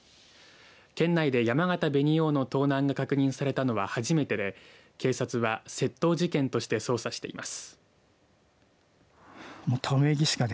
県内でやまがた紅王の盗難が確認されたのは初めてで警察は窃盗事件として捜査しています。